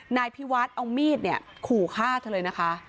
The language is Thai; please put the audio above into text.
นายพิวัฒน์เอามีดเนี่ยขู่ฆ่าเธอเลยนะคะ